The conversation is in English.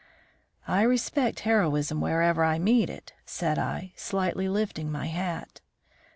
"I respect heroism wherever I meet it," said I, slightly lifting my hat.